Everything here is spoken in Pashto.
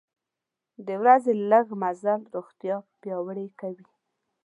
د ورځې لږه مزل روغتیا پیاوړې کوي.